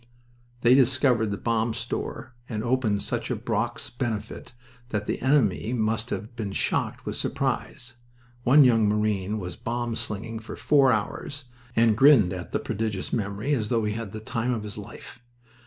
They discovered the bomb store and opened such a Brock's benefit that the enemy must have been shocked with surprise. One young marine was bomb slinging for four hours, and grinned at the prodigious memory as though he had had the time of his life.